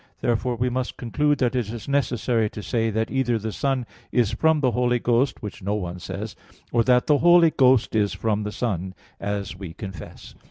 Therefore we must conclude that it is necessary to say that either the Son is from the Holy Ghost; which no one says; or that the Holy Ghost is from the Son, as we confess.